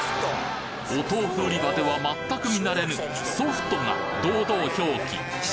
お豆腐売り場ではまったく見慣れぬ「ソフト」が堂々表記！